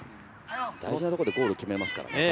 大事なところで彼はゴールを決めますからね。